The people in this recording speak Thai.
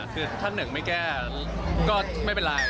คือถ้าหนึ่งไม่แก้ก็ไม่เป็นไร